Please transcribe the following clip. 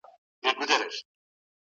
ایا لوی صادروونکي شین ممیز پروسس کوي؟